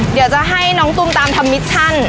เดี๋ยวจะให้น้องตุ้มตามทำมิชชั่น